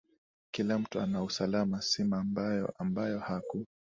kila mtu ana usalama si mambayo ambayo haku